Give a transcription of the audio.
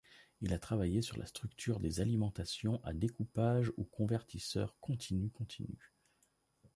Il a travaillé sur la structure des alimentations à découpage ou convertisseurs continu-continu.